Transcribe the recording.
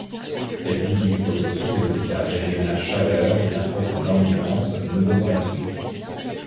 Cette ville dispose aussi de l'hôpital régional Chaleur et d'un poste d'Ambulance Nouveau-Brunswick.